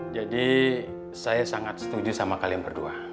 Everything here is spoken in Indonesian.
jadi saya sangat setuju sama kalian berdua